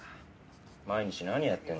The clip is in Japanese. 毎日何やってんだよ。